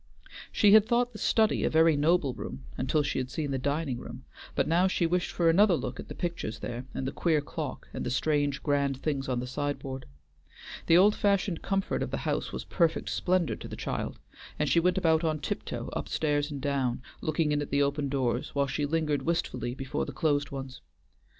She had thought the study a very noble room until she had seen the dining room, but now she wished for another look at the pictures there and the queer clock, and the strange, grand things on the sideboard. The old fashioned comfort of the house was perfect splendor to the child, and she went about on tiptoe up stairs and down, looking in at the open doors, while she lingered wistfully before the closed ones.